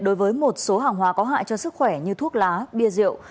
đối với một số hàng hóa có hại cho sức khỏe như thuốc lá bia rượu